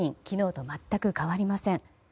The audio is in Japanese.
昨日と全く変わりません。